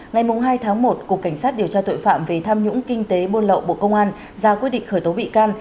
ngày hai tháng một cục cảnh sát điều tra tội phạm về tham nhũng kinh tế buôn lậu bộ công an ra quyết định khởi tố bị can